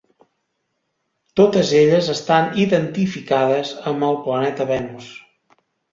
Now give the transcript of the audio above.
Totes elles estan identificades amb el planeta Venus.